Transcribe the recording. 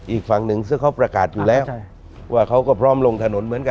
อีกฝั่งหนึ่งซึ่งเขาประกาศอยู่แล้วว่าเขาก็พร้อมลงถนนเหมือนกัน